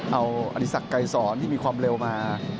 เอาอธิสักไกรสอนที่มีความเร็วมา